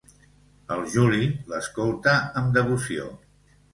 El Juli l'escolta amb devoció.